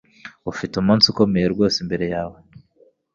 Ufite umunsi ukomeye rwose imbere yawe.